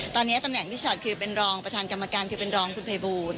ตอนนี้ตำแหน่งพี่ชอตคือเป็นรองประธานกรรมการคือเป็นรองคุณภัยบูล